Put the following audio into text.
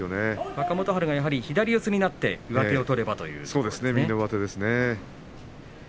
若元春は左四つになって上手を取れればということですね。